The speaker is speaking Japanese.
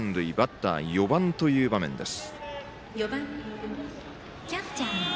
バッター、４番という場面です。